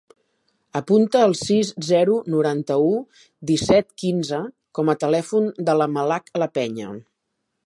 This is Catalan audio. Apunta el sis, zero, noranta-u, disset, quinze com a telèfon de la Malak Lapeña.